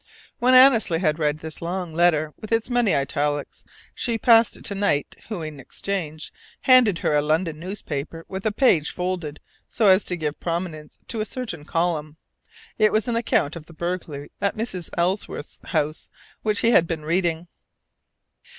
When Annesley had read this long letter with its many italics, she passed it to Knight who, in exchange, handed her a London newspaper with a page folded so as to give prominence to a certain column. It was an account of the burglary at Mrs. Ellsworth's house, which he had been reading.